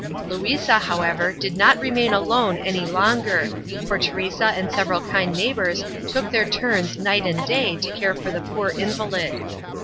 Louisa, however, did not remain alone any longer, for Teresa and several kind neighbors took their turns night and day to care for the poor invalid.